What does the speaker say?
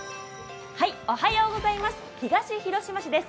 東広島市です。